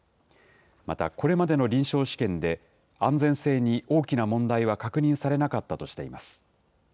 またこれまでの臨床試験で、安全性に大きな問題は確認されなかったとしています。